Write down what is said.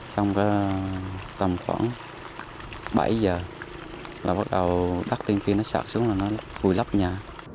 xong tầm khoảng bảy giờ là bắt đầu tắt tinh khiến nó sạc xuống là vùi lấp nhà